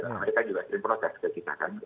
mereka juga sering protes ke kita kan